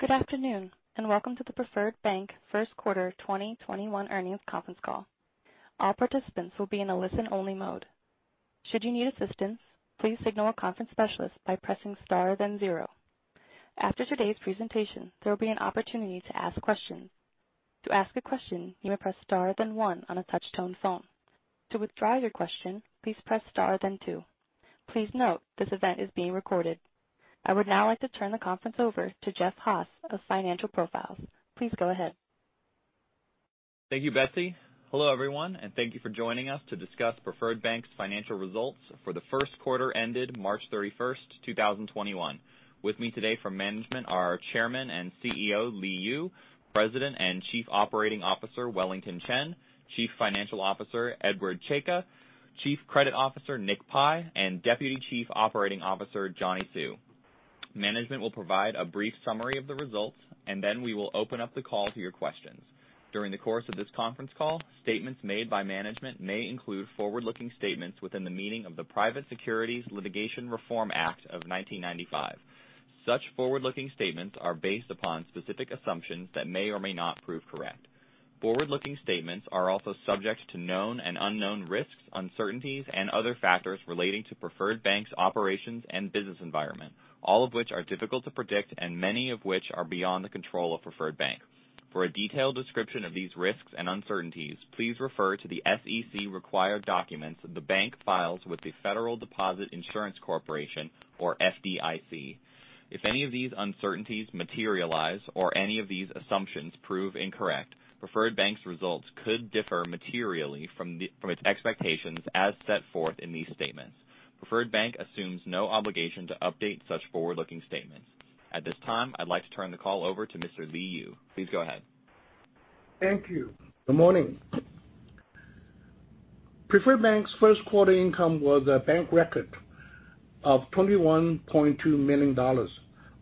Good afternoon, and welcome to the Preferred Bank first quarter 2021 earnings conference call. All participants will be in a listen-only mode. Should you need assistance, please signal a conference specialist by pressing star then zero. After today's presentation, there will be an opportunity to ask questions. To ask a question, you may press star then one on a touch-tone phone. To withdraw your question, please press star then two. Please note, this event is being recorded. I would now like to turn the conference over to Jeff Haas of Financial Profiles. Please go ahead. Thank you, Betsy. Hello everyone, and thank you for joining us to discuss Preferred Bank's financial results for the first quarter ended March 31st, 2021. With me today from management are Chairman and CEO, Li Yu, President and Chief Operating Officer, Wellington Chen, Chief Financial Officer, Edward Czajka, Chief Credit Officer, Nick Pi, and Deputy Chief Operating Officer, Johnny Hsu. Management will provide a brief summary of the results, and then we will open up the call to your questions. During the course of this conference call, statements made by management may include forward-looking statements within the meaning of the Private Securities Litigation Reform Act of 1995. Such forward-looking statements are based upon specific assumptions that may or may not prove correct. Forward-looking statements are also subject to known and unknown risks, uncertainties, and other factors relating to Preferred Bank's operations and business environment, all of which are difficult to predict and many of which are beyond the control of Preferred Bank. For a detailed description of these risks and uncertainties, please refer to the SEC required documents the bank files with the Federal Deposit Insurance Corporation, or FDIC. If any of these uncertainties materialize or any of these assumptions prove incorrect, Preferred Bank's results could differ materially from its expectations as set forth in these statements. Preferred Bank assumes no obligation to update such forward-looking statements. At this time, I'd like to turn the call over to Mr. Li Yu. Please go ahead. Thank you. Good morning. Preferred Bank's first quarter income was a bank record of $21.2 million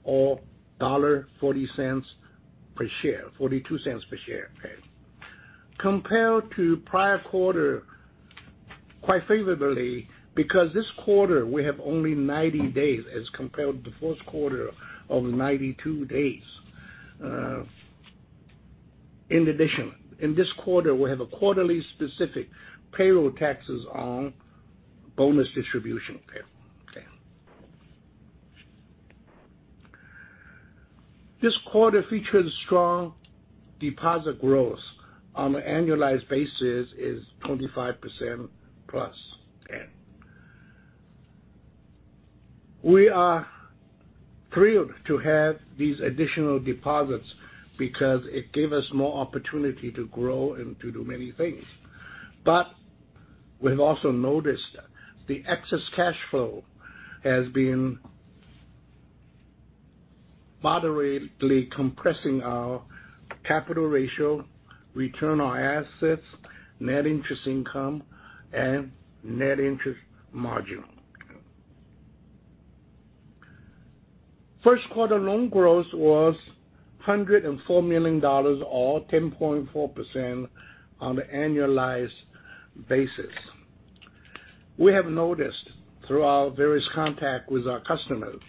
or $0.42 per share. Compared to prior quarter, quite favorably, because this quarter we have only 90 days as compared to the first quarter of 92 days. In addition, in this quarter, we have a quarterly specific payroll taxes on bonus distribution payroll. This quarter featured strong deposit growth on an annualized basis is 25%+. We are thrilled to have these additional deposits because it gave us more opportunity to grow and to do many things. We have also noticed the excess cash flow has been moderately compressing our capital ratio, return on assets, net interest income, and net interest margin. First quarter loan growth was $104 million, or 10.4% on the annualized basis. We have noticed through our various contact with our customers,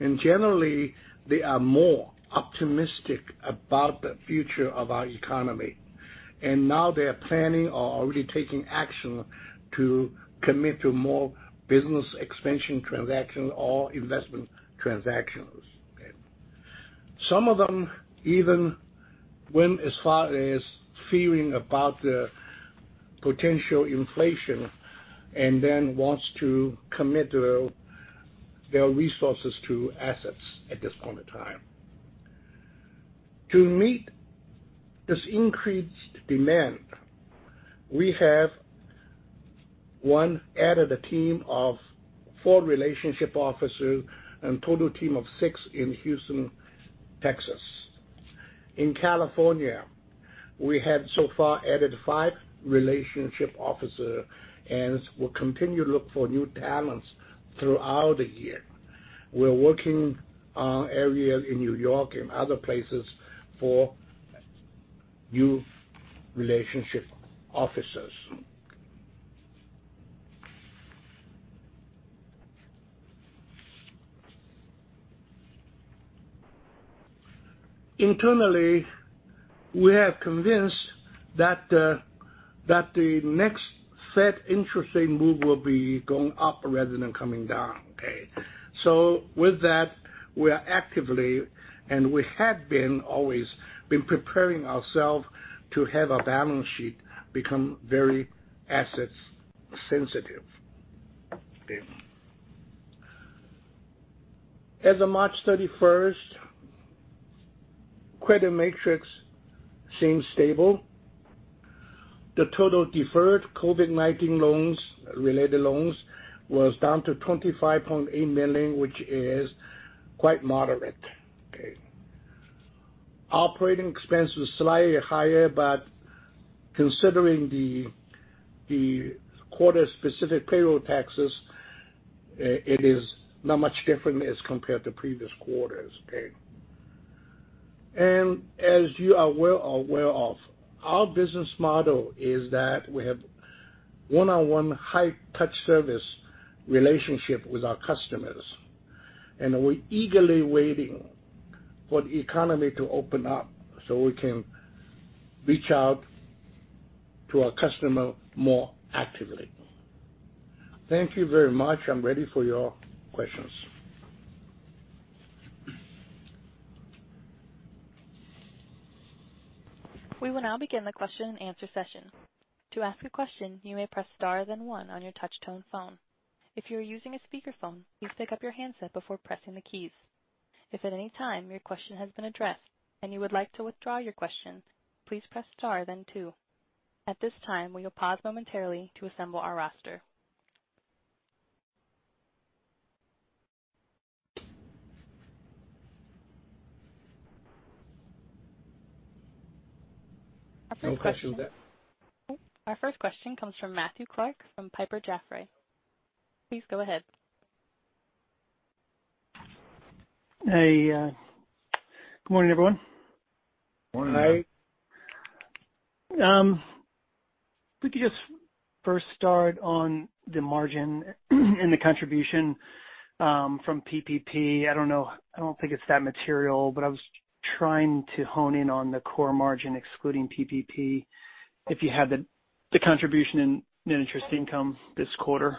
and generally they are more optimistic about the future of our economy. They are planning or already taking action to commit to more business expansion transaction or investment transactions. Some of them even went as far as fearing about the potential inflation and then wants to commit their resources to assets at this point in time. To meet this increased demand, we have, one, added a team of four relationship officer and total team of six in Houston, Texas. In California, we have so far added five relationship officer and will continue to look for new talents throughout the year. We're working on areas in New York and other places for new relationship officers. Internally, we are convinced that the next Fed interesting move will be going up rather than coming down. With that, we are actively, and we have been always been preparing ourselves to have our balance sheet become very asset-sensitive. As of March 31st, credit metrics seem stable. The total deferred COVID-19 loans, related loans, was down to $25.8 million, which is quite moderate. Operating expense was slightly higher, but considering the quarter-specific payroll taxes, it is not much different as compared to previous quarters. As you are well aware of, our business model is that we have one-on-one high-touch service relationship with our customers. We're eagerly waiting for the economy to open up so we can reach out to our customer more actively. Thank you very much. I'm ready for your questions. We will now begin the question and answer session. At this time, we will pause momentarily to assemble our roster. Our first question. No question yet. Our first question comes from Matthew Clark from Piper Sandler. Please go ahead. Hey, good morning, everyone. Morning. Could you just first start on the margin and the contribution from PPP? I don't think it's that material, but I was trying to hone in on the core margin excluding PPP, if you had the contribution in net interest income this quarter.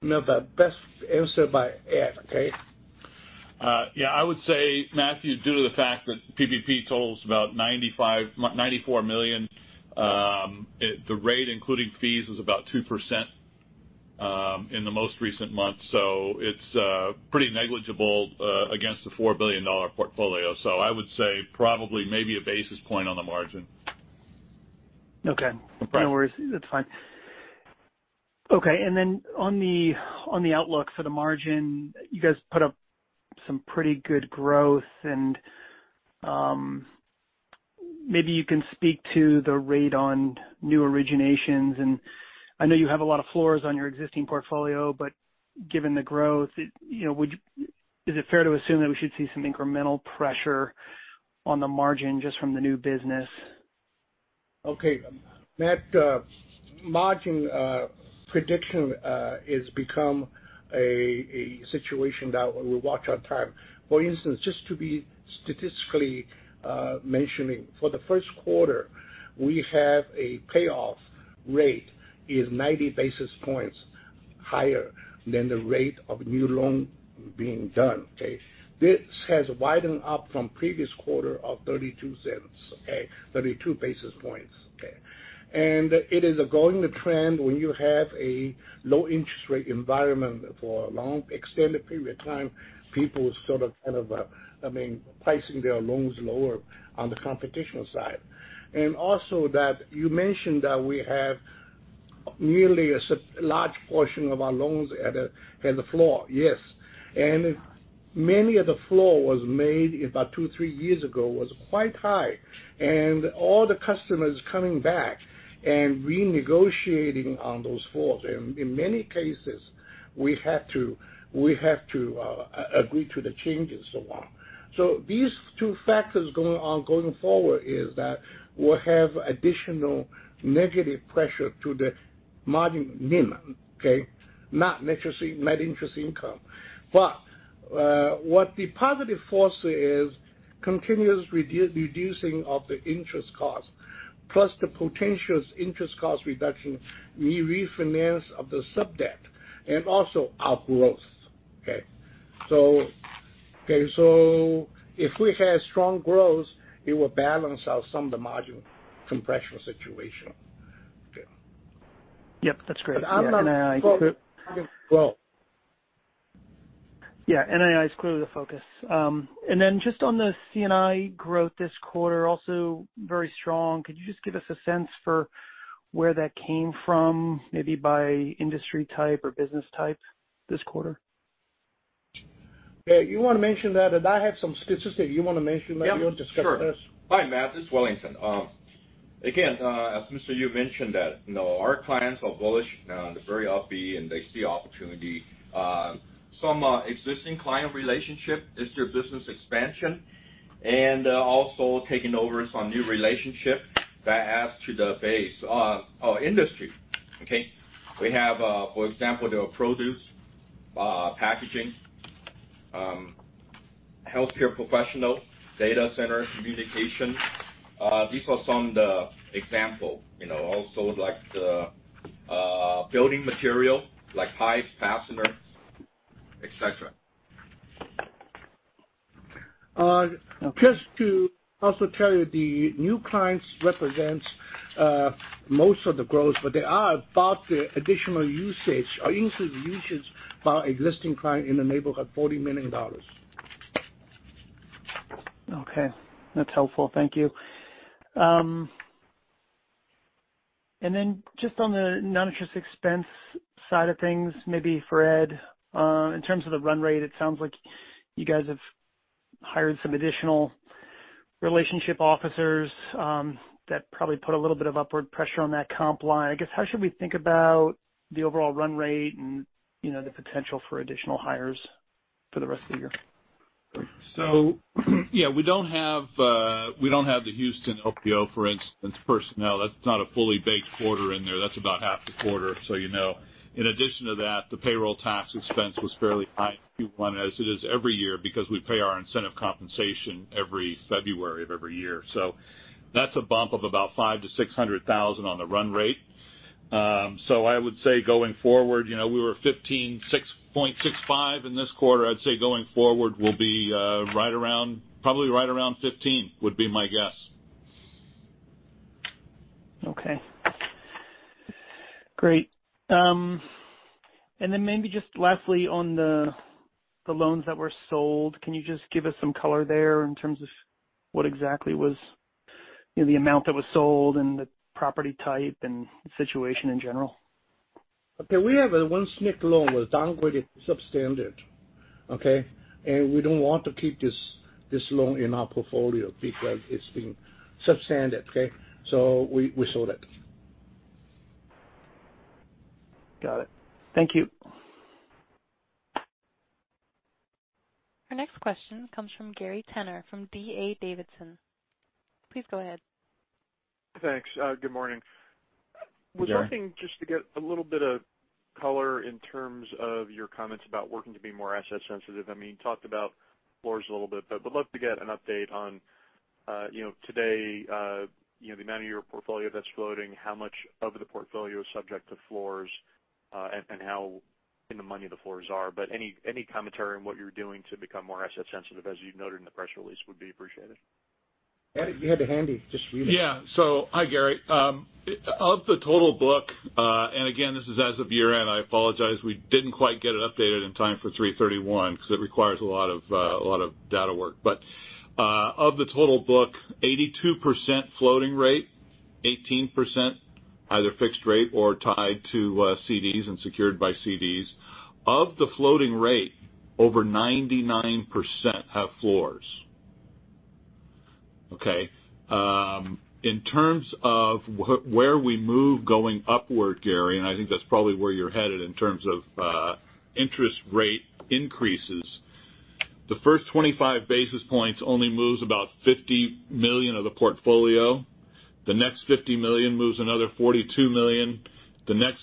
No, but best answered by Ed. Okay? Yeah, I would say, Matthew, due to the fact that PPP totals about $94 million. The rate including fees was about 2% in the most recent months. It's pretty negligible against the $4 billion portfolio. I would say probably maybe a basis point on the margin. Okay. No problem. No worries. That's fine. Okay. On the outlook for the margin, you guys put up some pretty good growth and maybe you can speak to the rate on new originations. I know you have a lot of floors on your existing portfolio, given the growth, is it fair to assume that we should see some incremental pressure on the margin just from the new business? Okay. Matt, margin prediction has become a situation that we watch our time. For instance, just to be statistically mentioning, for the first quarter, we have a payoff rate is 90 basis points higher than the rate of new loan being done. Okay? This has widened up from previous quarter of $0.32. Okay? 32 basis points. Okay? It is a going trend when you have a low interest rate environment for a long extended period of time, people sort of pricing their loans lower on the competitive side. Also that you mentioned that we have nearly a large portion of our loans at a floor. Yes. Many of the floor was made about two, three years ago, was quite high. All the customers coming back and renegotiating on those floors. In many cases, we have to agree to the changes and so on. These two factors going forward is that we'll have additional negative pressure to the margin minimum. Okay. Not net interest income. What the positive force is continuous reducing of the interest cost plus the potential interest cost reduction, we refinance of the sub-debt and also our growth. Okay. If we have strong growth, it will balance out some of the margin compression situation. Okay. Yep, that's great. But I'm not- NII is clearly. Well. Yeah. NII is clearly the focus. Just on the C&I growth this quarter, also very strong. Could you just give us a sense for where that came from, maybe by industry type or business type this quarter? Yeah. You want to mention that? Did I have some statistics you want to mention that? Yeah. Sure You want to discuss this? Hi, Matt, this is Wellington. As Mr. Yu mentioned that our clients are bullish now and they're very upbeat, and they see opportunity. Some existing client relationship is their business expansion and also taking over some new relationship that adds to the base. Our industry. Okay? We have, for example, the produce, packaging, healthcare professional, data center, communication. These are some example. Like the building material, like pipes, fasteners, et cetera. Just to also tell you, the new clients represents most of the growth, but there are about the additional usage or increased usage by existing client in the neighborhood, $40 million. Okay. That's helpful. Thank you. Then just on the non-interest expense side of things, maybe for Ed. In terms of the run rate, it sounds like you guys have hired some additional relationship officers that probably put a little bit of upward pressure on that comp line. I guess, how should we think about the overall run rate and the potential for additional hires for the rest of the year? We don't have the Houston LPO, for instance, personnel. That's not a fully baked quarter in there. That's about half the quarter, you know. In addition to that, the payroll tax expense was fairly high in Q1 as it is every year because we pay our incentive compensation every February of every year. That's a bump of about $500,000-$600,000 on the run rate. I would say going forward, we were $15.65 in this quarter. I'd say going forward, we'll be probably right around $15, would be my guess. Okay. Great. Then maybe just lastly on the loans that were sold, can you just give us some color there in terms of what exactly was the amount that was sold and the property type and situation in general? Okay. We have one SNC loan was downgraded substandard. Okay. We don't want to keep this loan in our portfolio because it's been substandard. Okay. We sold it. Got it. Thank you. Our next question comes from Gary Tenner, from D.A. Davidson. Please go ahead. Thanks. Good morning. Yeah. Was hoping just to get a little bit of color in terms of your comments about working to be more asset sensitive. You talked about floors a little bit, would love to get an update on today, the amount of your portfolio that's floating, how much of the portfolio is subject to floors, and how in the money the floors are. Any commentary on what you're doing to become more asset sensitive, as you noted in the press release, would be appreciated. Eddie, you had it handy, just read it. Hi, Gary. Of the total book, and again, this is as of year-end. I apologize we didn't quite get it updated in time for 3/31 because it requires a lot of data work. Of the total book, 82% floating rate, 18% either fixed rate or tied to CDs and secured by CDs. Of the floating rate, over 99% have floors. Okay. In terms of where we move going upward, Gary, I think that's probably where you're headed in terms of interest rate increases. The first 25 basis points only moves about $50 million of the portfolio. The next $50 million moves another $42 million. The next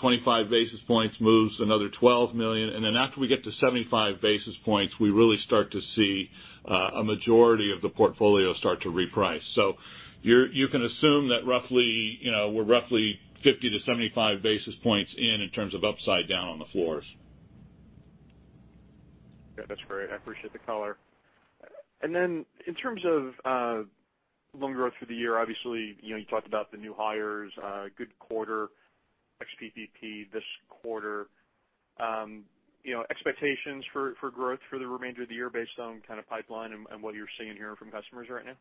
25 basis points moves another $12 million. After we get to 75 basis points, we really start to see a majority of the portfolio start to reprice. You can assume that we're roughly 50-75 basis points in terms of upside down on the floors. Yeah. That's great. I appreciate the color. In terms of loan growth for the year, obviously, you talked about the new hires, good quarter ex PPP this quarter. Expectations for growth for the remainder of the year based on kind of pipeline and what you're seeing and hearing from customers right now?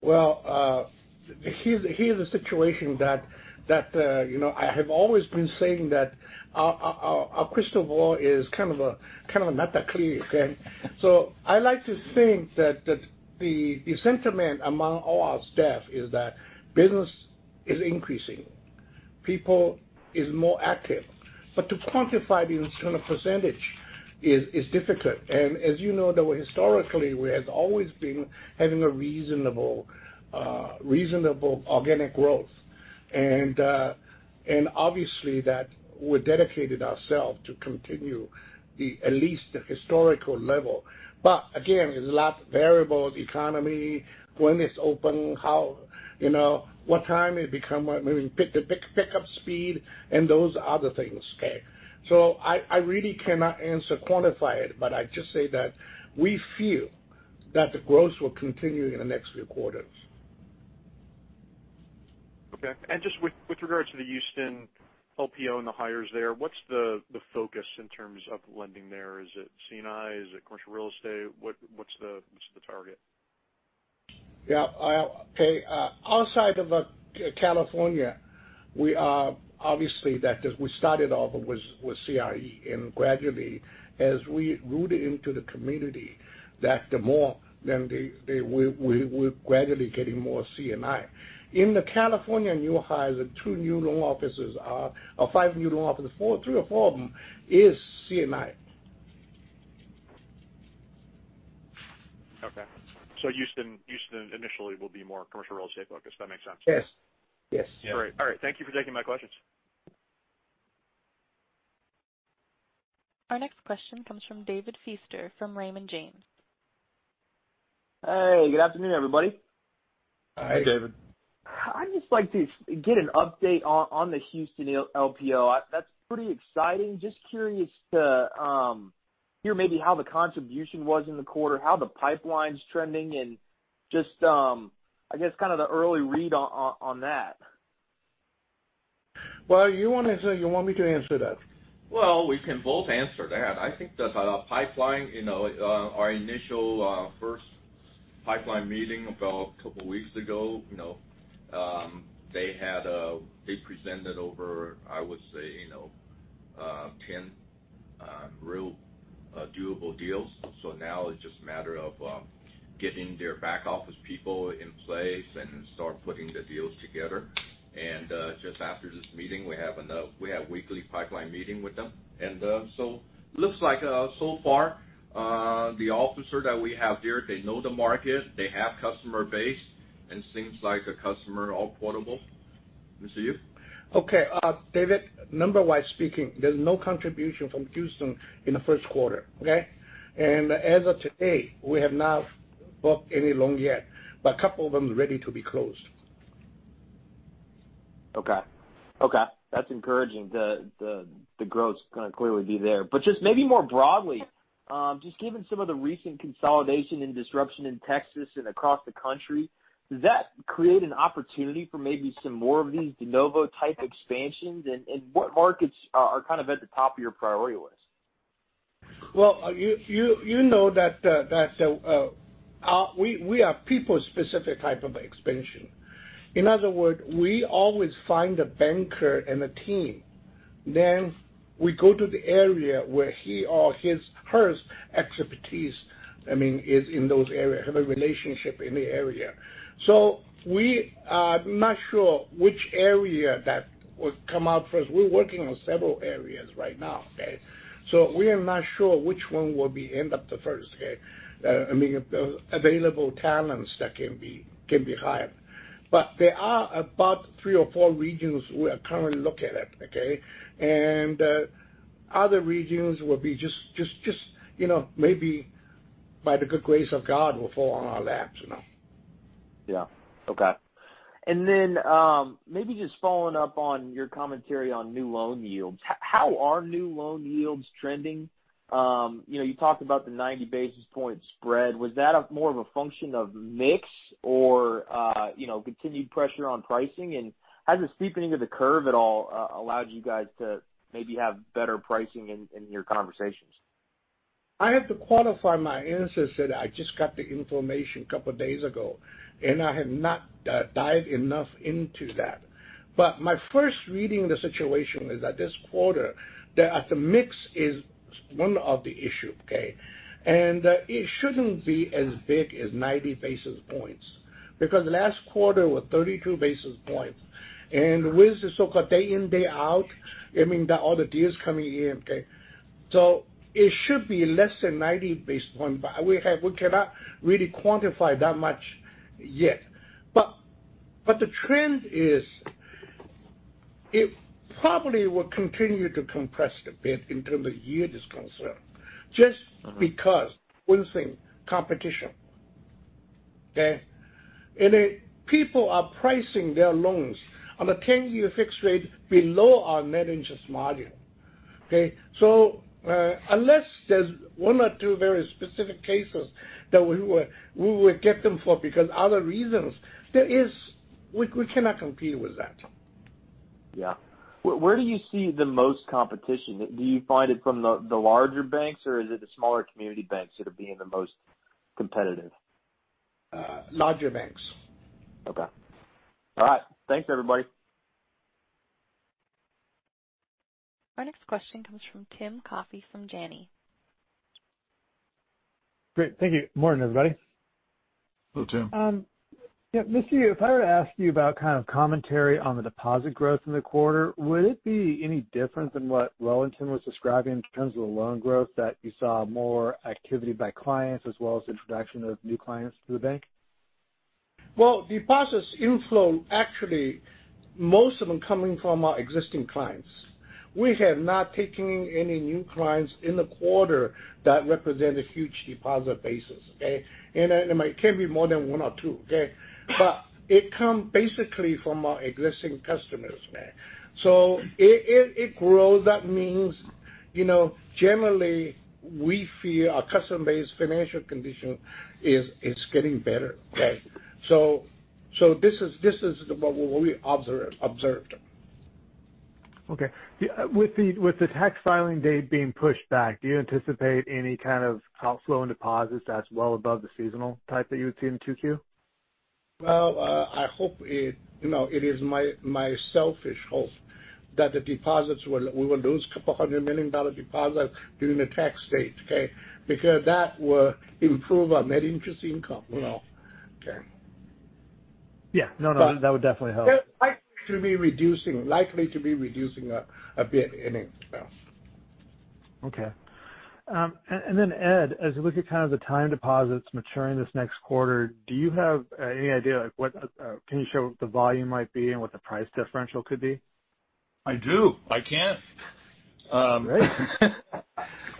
Well, here's a situation that I have always been saying that our crystal ball is kind of not that clear. Okay? I like to think that the sentiment among all our staff is that business is increasing, people is more active. To quantify it in terms of percentage is difficult. As you know, though historically, we have always been having a reasonable organic growth. Obviously that we dedicated ourself to continue at least the historical level. Again, there's lots of variables, economy, when it's open, what time it become, maybe pick up speed, and those other things. Okay. I really cannot answer quantify it, but I just say that we feel that the growth will continue in the next few quarters. Okay. Just with regard to the Houston LPO and the hires there, what's the focus in terms of lending there? Is it C&I? Is it commercial real estate? What's the target? Yeah. Outside of California, we are obviously that we started off with CRE, and gradually, as we rooted into the community, that the more then we're gradually getting more C&I. In the California new hires, the two new loan officers or five new loan officers, three or four of them is C&I. Okay. Houston initially will be more commercial real estate focused. That makes sense. Yes. Great. All right. Thank you for taking my questions. Our next question comes from David Feaster from Raymond James. Hey, good afternoon, everybody. Hi. David. I'd just like to get an update on the Houston LPO. That's pretty exciting. Just curious to hear maybe how the contribution was in the quarter, how the pipeline's trending, and just, I guess kind of the early read on that. Well, you want me to answer that? Well, we can both answer that. I think that our pipeline, our initial first pipeline meeting about a couple of weeks ago, they presented over, I would say, 10 real doable deals. Now it's just a matter of getting their back office people in place and start putting the deals together. Just after this meeting, we have weekly pipeline meeting with them. Looks like so far, the officer that we have there, they know the market, they have customer base, and seems like a customer are all portable. Mr. Yu? Okay. David, number-wise speaking, there's no contribution from Houston in the first quarter, okay? As of today, we have not booked any loan yet, but a couple of them ready to be closed. Okay. That's encouraging. The growth's going to clearly be there. Just maybe more broadly, just given some of the recent consolidation and disruption in Texas and across the country, does that create an opportunity for maybe some more of these de novo type expansions? What markets are kind of at the top of your priority list? Well, you know that we are people specific type of expansion. In other word, we always find a banker and a team, then we go to the area where he or his, her expertise, I mean, is in those area, have a relationship in the area. We are not sure which area that will come out for us. We're working on several areas right now, okay. We are not sure which one will be end up the first, okay. I mean, available talents that can be hired. There are about three or four regions we are currently looking at, okay. Other regions will be just maybe by the good grace of God, will fall on our laps. Yeah. Okay. Maybe just following up on your commentary on new loan yields, how are new loan yields trending? You talked about the 90 basis point spread. Was that more of a function of mix or continued pressure on pricing? Has the steepening of the curve at all allowed you guys to maybe have better pricing in your conversations? I have to qualify my answers that I just got the information a couple days ago. I have not dived enough into that. My first reading the situation is that this quarter, that at the mix is one of the issue, okay? It shouldn't be as big as 90 basis points, because last quarter was 32 basis points. With the so-called day in, day out, I mean, all the deals coming in, okay? It should be less than 90 basis point, we cannot really quantify that much yet. The trend is, it probably will continue to compress a bit in terms of yield is concerned, just because one thing, competition. Okay? People are pricing their loans on a 10-year fixed rate below our net interest margin. Okay? Unless there's one or two very specific cases that we will get them for because other reasons, we cannot compete with that. Yeah. Where do you see the most competition? Do you find it from the larger banks or is it the smaller community banks that are being the most competitive? Larger banks. Okay. All right. Thanks, everybody. Our next question comes from Tim Coffey from Janney. Great. Thank you. Morning, everybody. Hello, Tim. Mr. Yu, if I were to ask you about kind of commentary on the deposit growth in the quarter, would it be any different than what Wellington was describing in terms of the loan growth, that you saw more activity by clients as well as introduction of new clients to the bank? Well, deposits inflow, actually, most of them coming from our existing clients. We have not taken any new clients in the quarter that represent a huge deposit basis, okay? It can be more than one or two, okay? It come basically from our existing customers now. It grows. That means generally, we feel our customer base financial condition is getting better. Okay? This is what we observed. Okay. With the tax filing date being pushed back, do you anticipate any kind of outflow in deposits that's well above the seasonal type that you would see in 2Q? Well, it is my selfish hope that the deposits, we will lose $200 million deposit during the tax date, okay? That will improve our net interest income. Okay. Yeah. No, that would definitely help. Likely to be reducing a bit anyway. Okay. Ed, as you look at kind of the time deposits maturing this next quarter, do you have any idea, can you show what the volume might be and what the price differential could be? I do. I can. Great.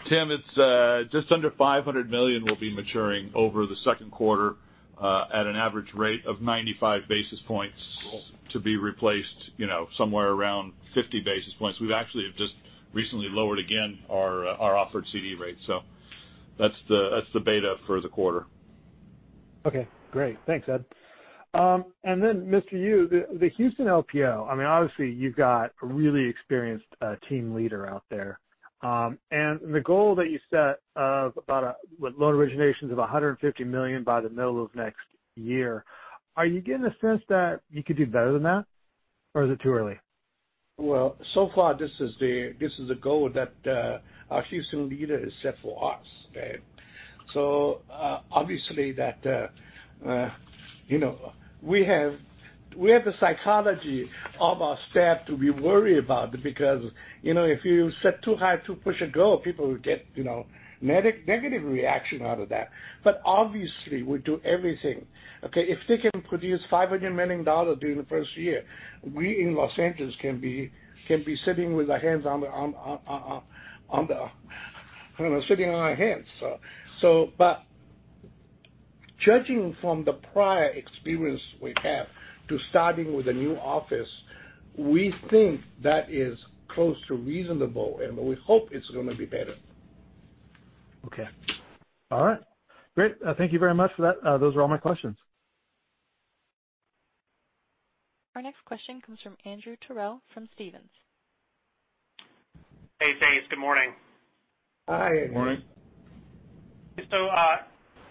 Tim, it's just under $500 million will be maturing over the second quarter, at an average rate of 95 basis points. Cool. To be replaced somewhere around 50 basis points. We've actually just recently lowered again our offered CD rates. That's the beta for the quarter. Okay, great. Thanks, Ed. Mr. Yu, the Houston LPO, I mean, obviously you've got a really experienced team leader out there. The goal that you set of about loan originations of $150 million by the middle of next year, are you getting a sense that you could do better than that? Or is it too early? Well, so far, this is the goal that our Houston leader has set for us. Obviously, we have the psychology of our staff to be worried about because if you set too high, too push a goal, people will get negative reaction out of that. Obviously, we do everything. Okay, if they can produce $500 million during the first year, we in Los Angeles can be, I don't know, sitting on our hands. Judging from the prior experience we have to starting with a new office, we think that is close to reasonable, and we hope it's going to be better. Okay. All right. Great. Thank you very much for that. Those are all my questions. Our next question comes from Andrew Terrell from Stephens. Hey, guys. Good morning. Hi. Good morning.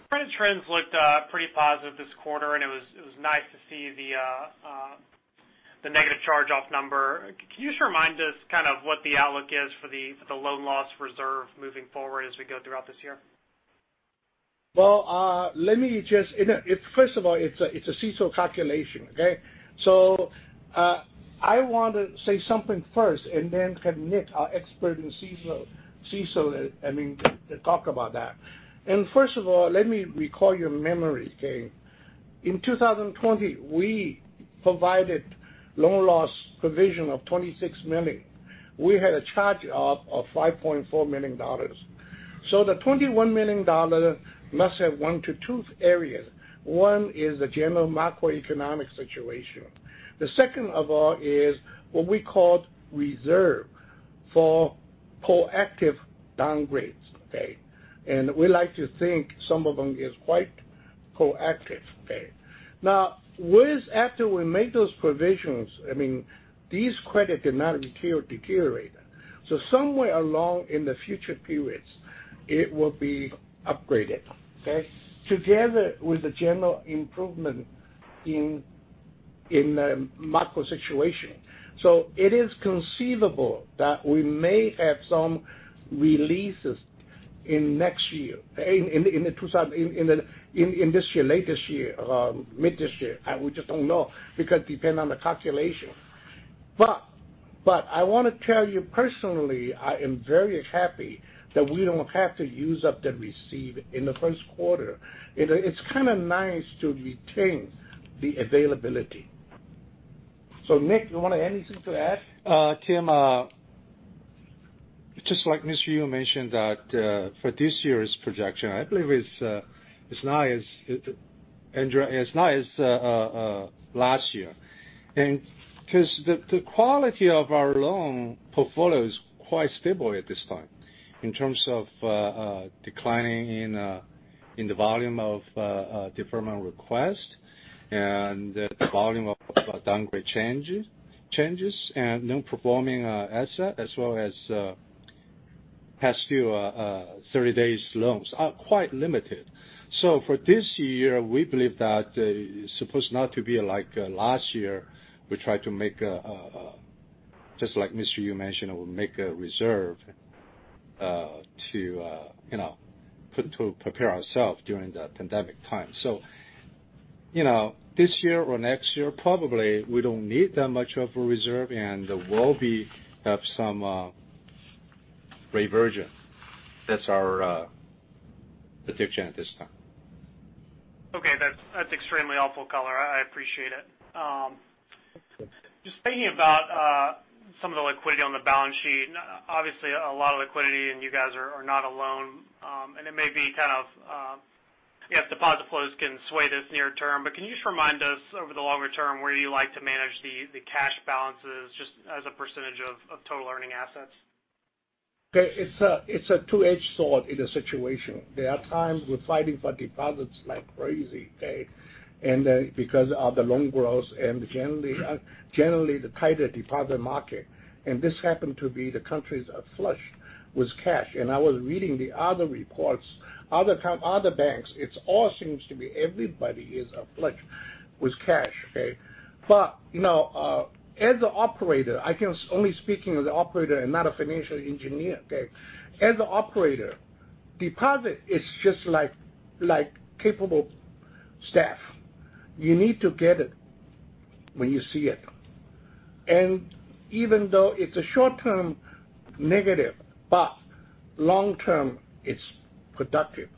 Credit trends looked pretty positive this quarter, and it was nice to see the negative charge-off number. Can you just remind us kind of what the outlook is for the loan loss reserve moving forward as we go throughout this year? Well, first of all, it's a CECL calculation, okay? I want to say something first and then have Nick, our expert in CECL, I mean, to talk about that. First of all, let me recall your memory, okay. In 2020, we provided loan loss provision of $26 million. We had a charge-off of $5.4 million. The $21 million must have went to two areas. One is the general macroeconomic situation. The second of all is what we called reserve for proactive downgrades, okay? We like to think some of them is quite proactive. Now, after we make those provisions, I mean, these credit did not deteriorate. Somewhere along in the future periods, it will be upgraded, okay? Together with the general improvement in the macro situation. It is conceivable that we may have some releases in this year, late this year, mid this year. We just don't know, because depend on the calculation. I want to tell you personally, I am very happy that we don't have to use up the receive in the first quarter. It's kind of nice to retain the availability. Nick, you want to add anything to that? Tim, just like Mr. Yu mentioned that for this year's projection, I believe it's not as last year. Because the quality of our loan portfolio is quite stable at this time in terms of declining in the volume of deferment request and the volume of downgrade changes and non-performing asset as well as past due 30 days loans are quite limited. For this year, we believe that it's supposed not to be like last year. We try to make, just like Mr. Yu mentioned, we make a reserve to prepare ourselves during the pandemic time. This year or next year, probably we don't need that much of a reserve, and there will be have some reversion. That's our prediction at this time. Okay. That's extremely helpful color. I appreciate it. Just thinking about some of the liquidity on the balance sheet. Obviously, a lot of liquidity, and you guys are not alone. It may be kind of, deposit flows can sway this near term, but can you just remind us over the longer term, where you like to manage the cash balances just as a % of total earning assets? Okay. It's a two-edged sword in a situation. There are times we're fighting for deposits like crazy, okay, because of the loan growth and generally the tighter deposit market. This happened to be the countries are flush with cash. I was reading the other reports, other banks, it all seems to be everybody is flush with cash, okay? As a operator, I can only speaking as a operator and not a financial engineer, okay? As a operator, deposit is just like capable staff. You need to get it when you see it. Even though it's a short term negative, but long term, it's productive.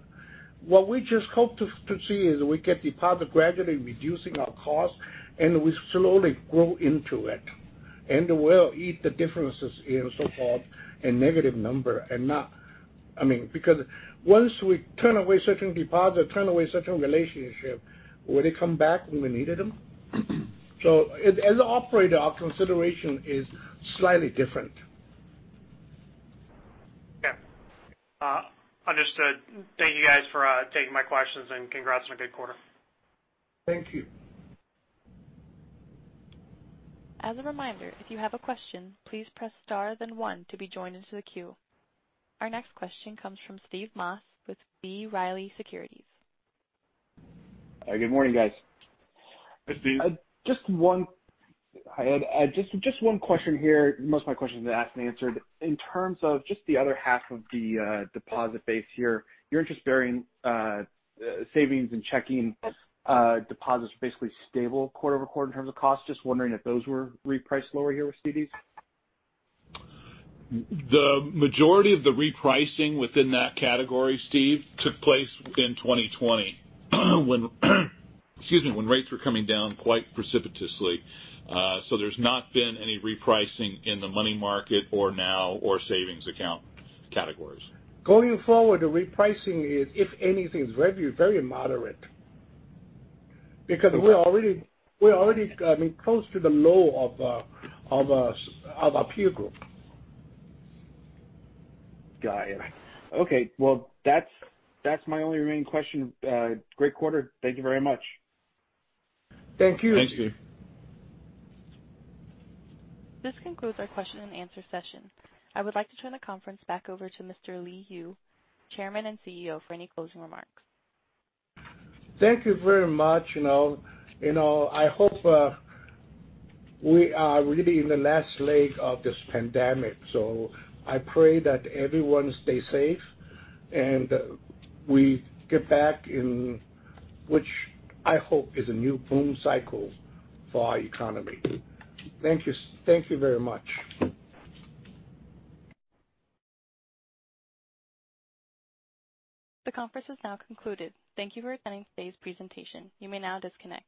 What we just hope to see is we get deposit gradually reducing our cost, and we slowly grow into it, and we'll eat the differences in so-called a negative number I mean, because once we turn away certain deposit, turn away certain relationship, will they come back when we needed them? As a operator, our consideration is slightly different. Yeah. Understood. Thank you guys for taking my questions, and congrats on a good quarter. Thank you. As a reminder, if you have a question, please press star then one to be joined into the queue. Our next question comes from Steve Moss with B. Riley Securities. Hi, good morning, guys. Hi, Steve. Just one question here. Most of my questions are asked and answered. In terms of just the other half of the deposit base here, your interest-bearing savings and checking deposits were basically stable quarter-over-quarter in terms of cost. Just wondering if those were repriced lower here with CDs? The majority of the repricing within that category, Steve, took place in 2020. Excuse me, when rates were coming down quite precipitously. There's not been any repricing in the money market or NOW or savings account categories. Going forward, the repricing is, if anything, is very moderate, because we're already close to the low of our peer group. Got it. Okay. Well, that's my only remaining question. Great quarter. Thank you very much. Thank you. Thank you. This concludes our question and answer session. I would like to turn the conference back over to Mr. Li Yu, Chairman and CEO, for any closing remarks. Thank you very much. I hope we are really in the last leg of this pandemic. I pray that everyone stay safe, and we get back in, which I hope is a new boom cycle for our economy. Thank you very much. The conference is now concluded. Thank you for attending today's presentation. You may now disconnect.